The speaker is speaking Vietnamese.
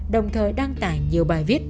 đồng thời đăng tải nhiều bài viết